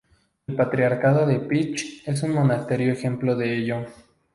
El Patriarcado de Pech es un monasterio ejemplo de ello.